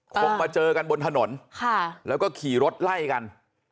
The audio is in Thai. คงมาเจอกันบนถนนแล้วก็ขี่รถไล่กัน